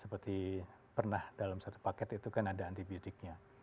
seperti pernah dalam satu paket itu kan ada antibiotiknya